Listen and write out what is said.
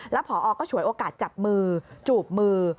แล้วพอก็ฉวยโอกาสจับมือจูบมือ